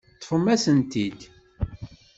Ṭṭfemt-asent-t-id.